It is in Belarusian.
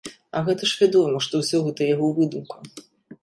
А гэта ж вядома, што ўсё гэта яго выдумка.